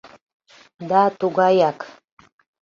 Да тугаяк